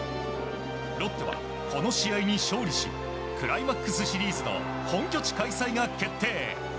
ロッテはこの試合に勝利しクライマックスシリーズの本拠地開催が決定。